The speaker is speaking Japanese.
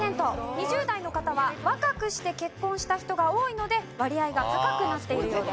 ２０代の方は若くして結婚した人が多いので割合が高くなっているようです。